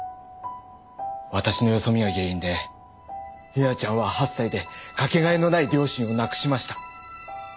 私のよそ見が原因で理奈ちゃんは８歳でかけがえのない両親を亡くしました。